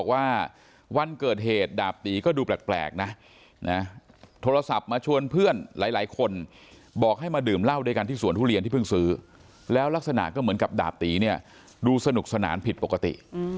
ว่าวันเกิดเหตุดาบตีก็ดูแปลกนะโทรศัพท์มาชวนเพื่อนหลายคนบอกให้มาดื่มเหล้าด้วยกันที่สวนทุเรียนที่เพิ่งซื้อแล้วลักษณะก็เหมือนกับดาบตีเนี่ยดูสนุกสนานผิดปกติ